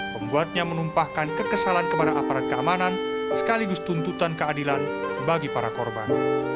pembuatnya menumpahkan kekesalan kepada aparat keamanan sekaligus tuntutan keadilan bagi para korban